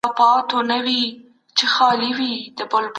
سالم ذهن ژوند نه دروي.